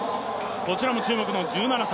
こちらも注目の１７歳。